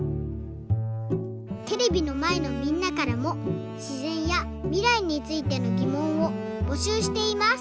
テレビのまえのみんなからもしぜんやみらいについてのぎもんをぼしゅうしています。